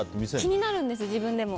気になるんですよ、自分でも。